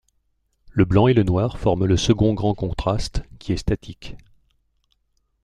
Le blanc et le noir forment le second grand contraste, qui est statique.